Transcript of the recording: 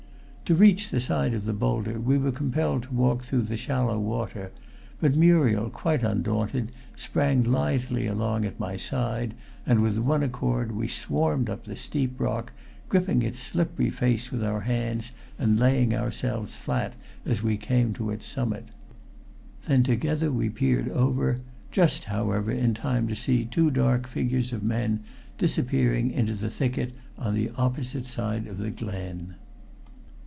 To reach the side of the boulder we were compelled to walk through the shallow water, but Muriel, quite undaunted, sprang lithely along at my side, and with one accord we swarmed up the steep rock, gripping its slippery face with our hands and laying ourselves flat as we came to its summit. Then together we peered over, just, however, in time to see two dark figures of men disappearing into the thicket on the opposite side of the glen.